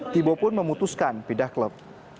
thibau pun memutuskan pindah klub